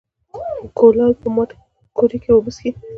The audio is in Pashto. ـ کولال په مات کودي کې اوبه څکي.